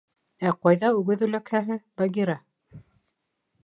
— Ә ҡайҙа үгеҙ үләкһәһе, Багира?